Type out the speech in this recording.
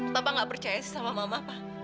papa gak percaya sih sama mama pa